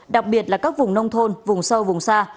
đặc biệt là các vùng nông thôn vùng sâu vùng xa